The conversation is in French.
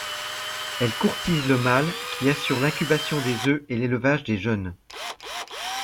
Elle courtise le mâle qui assure l'incubation des œufs et l'élevage des jeunes.